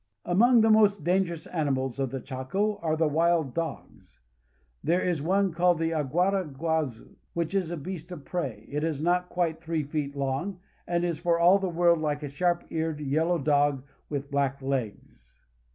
Among the most dangerous animals of the Chaco are the wild dogs. There is one called the aguara guazu, which is a beast of prey. It is not quite three feet long, and is for all the world like a sharp eared yellow dog with black legs.